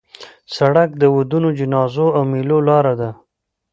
سړک د ودونو، جنازو او میلو لاره ده.